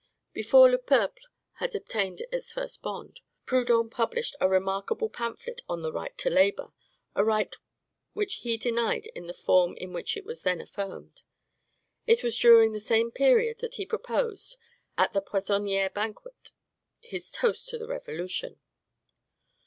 Before "Le Peuple" had obtained its first bond, Proudhon published a remarkable pamphlet on the "Right to Labor," a right which he denied in the form in which it was then affirmed. It was during the same period that he proposed, at the Poissonniere banquet, his Toast to the Revolution.